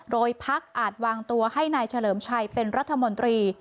โดยพักอาจวางตัวให้นายเฉลิมชัยเป็นรัฐมนตรี